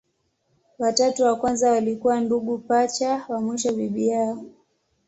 Watatu wa kwanza walikuwa ndugu pacha, wa mwisho bibi yao.